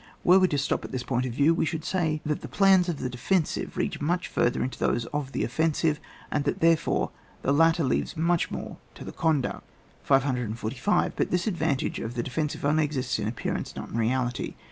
Were we to stop at this point of Tiew, we should eay that the plans of the defensive reach much further than those of the offensive; and that, there fore, the latter leaves much more to the conduct. 4 545. But this advantage of the de fensive only exists in appearance, not in reality.